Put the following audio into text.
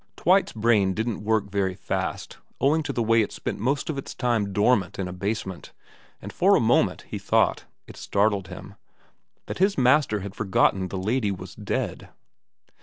Twite's brain didn't work very fast owing to the way 312 VERA zzvm it spent most of its time dormant in a basement, and for a moment he thought it startled him that hia master had forgotten the lady was dead.